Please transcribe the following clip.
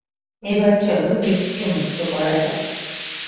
এবার চলো, লেক্সকে মুক্ত করা যাক।